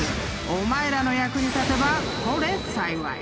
［お前らの役に立てばこれ幸い］